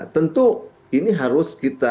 tentu ini harus kita